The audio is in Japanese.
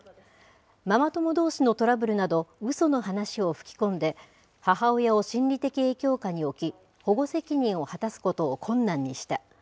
ママ友どうしのトラブルなど、うその話を吹き込んで、母親を心理的影響下に置き、保護責任を果たすことを困難にした。